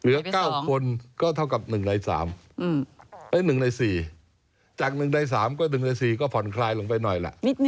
เหลือ๙คนก็เท่ากับ๑ใน๓๑ใน๔จาก๑ใน๓ก็๑ใน๔ก็ผ่อนคลายลงไปหน่อยล่ะ